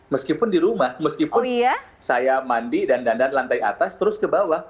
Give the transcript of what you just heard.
meskipun di rumah meskipun saya mandi dan dandan lantai atas terus ke bawah